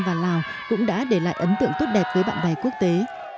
việt nam và lào cũng đã để lại ấn tượng tốt đẹp với bạn bè quốc tế